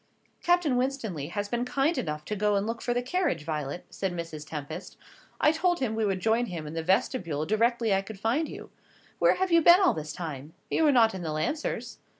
"Captain Winstanley has been kind enough to go and look for the carriage, Violet," said Mrs. Tempest. "I told him we would join him in the vestibule directly I could find you. Where have you been all this time? You were not in the Lancers.